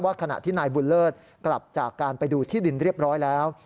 ขณะที่นายบุญเลิศกลับจากการไปดูที่ดินเรียบร้อยแล้ว